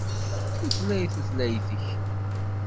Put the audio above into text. Utlay tutlayt-ik.